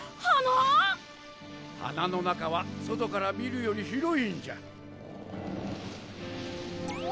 鼻の中は外から見るより広いんじゃ。